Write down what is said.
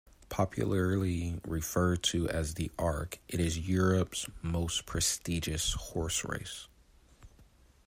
Popularly referred to as the "Arc", it is Europe's most prestigious horse race.